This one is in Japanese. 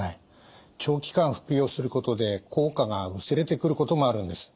長期間服用することで効果が薄れてくることもあるんです。